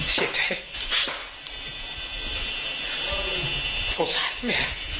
เช็ดเท้โสสานแม่